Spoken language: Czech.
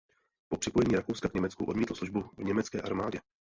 Po připojení Rakouska k Německu odmítl službu v německé armádě.